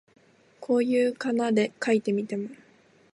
こう仮名で書いてみても、